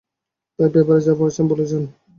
তাই পেপারে যা পড়েছেন, ভুলে যান।